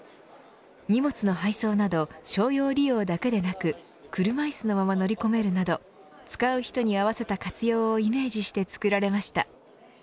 荷物の配送など商用利用だけでなく車いすのまま乗り込めるなど使う人に合わせた活用をイメージして作られました。